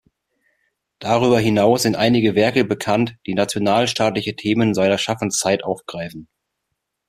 Darüber hinaus sind einige Werke bekannt, die nationalstaatliche Themen seiner Schaffenszeit aufgreifen.